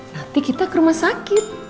nanti kita ke rumah sakit